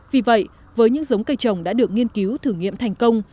vì vậy với những giống cây trồng đã được nghiên cứu thử nghiệm thành công